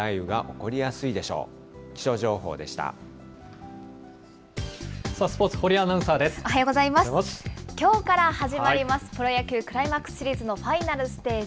きょうから始まります、プロ野球クライマックスシリーズのファイナルステージ。